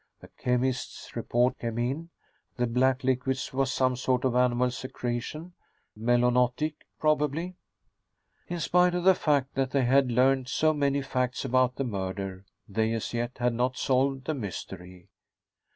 The chemist's report came in. The black liquid was some sort of animal secretion, melonotic probably. In spite of the fact that they had learned so many facts about the murder, they as yet had not solved the mystery.